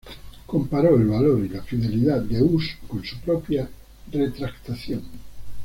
Comparó el valor y la fidelidad de Hus con su propia retractación.